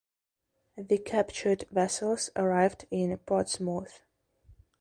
The captured vessels arrived in Portsmouth.